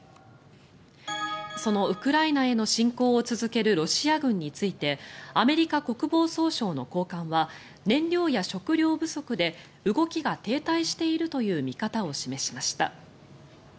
そのウクライナへの侵攻を続けるロシア軍についてアメリカ国防総省の高官は燃料や食料不足で動きが停滞しているという見方を示しました。